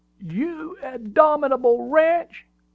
"You abominable wretch!"